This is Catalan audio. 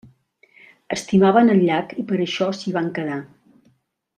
Estimaven el llac, i per això s'hi van quedar.